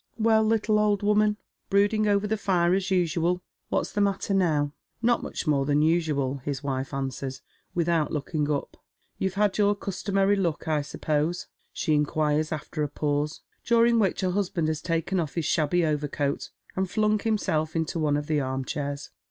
" Well, little old woman, brooding over the fire as usual ? What's the matter now ?" "Not much more than usual," his wife answers, without looking up. "You've had your customary luck, I suppose?" she inquires, after a pause, during which her husband has taken off his shabby overcoat, and flung himself into one of the arm chairs.